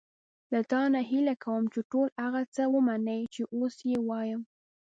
له تا نه هیله کوم چې ټول هغه څه ومنې چې اوس یې وایم.